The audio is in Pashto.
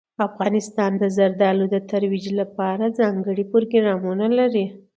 افغانستان د زردالو د ترویج لپاره ځانګړي پروګرامونه لري.